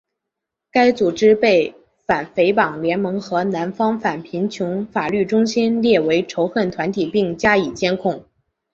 该组织被反诽谤联盟和南方反贫穷法律中心列为仇恨团体并加以监控。